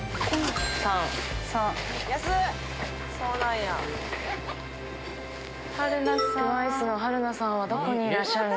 ３？３ＴＷＩＣＥの春菜さんはどこにいらっしゃるの？